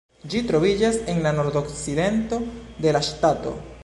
Ĝi troviĝas en la nordokcidento de la ŝtato.